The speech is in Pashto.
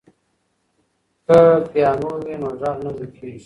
که پیانو وي نو غږ نه ورکېږي.